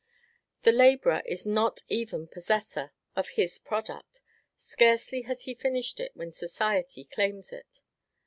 The laborer is not even possessor of his product; scarcely has he finished it, when society claims it.